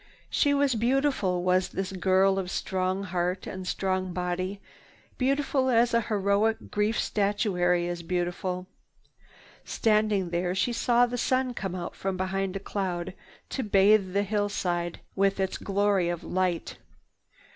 She was beautiful, was this girl of strong heart and a strong body, beautiful as heroic Greek statuary is beautiful. Standing there, she saw the sun come out from behind a cloud to bathe the hillside with its glory of light.